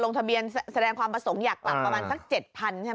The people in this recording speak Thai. ทะเบียนแสดงความประสงค์อยากกลับประมาณสัก๗๐๐ใช่ไหม